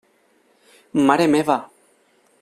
Mare meva!